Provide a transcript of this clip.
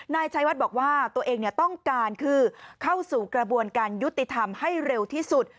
นายชัยวัดบอกว่าตัวเองต้องการคือเข้าสู่กระบวนการยุติธรรมให้เร็วที่สุด